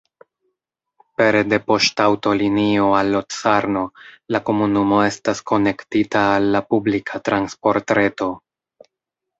Pere de poŝtaŭtolinio al Locarno la komunumo estas konektita al la publika transportreto.